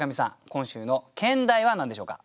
今週の兼題は何でしょうか。